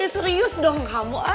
serius dong kamu